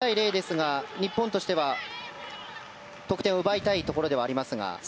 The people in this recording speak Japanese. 澤さん、ここまで０対０ですが日本としては得点を奪いたいところではありますが。